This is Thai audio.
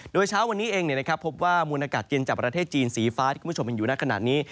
โดยเช้าวันนี้เองพบว่ามูลอากาศเย็นจากประเทศจีนสีฟ้าที่คุณผู้ชมเห็นอยู่ในขณะนี้